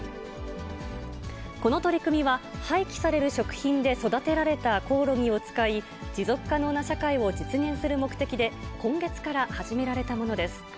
この取り組みは、廃棄される食品で育てられたコオロギを使い、持続可能な社会を実現する目的で、今月から始められたものです。